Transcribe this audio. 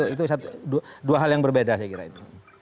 itu dua hal yang berbeda saya kira itu